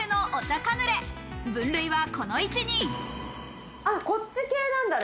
カヌレ、分類はこの位置に。